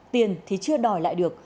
tiền thì chưa đòi lại được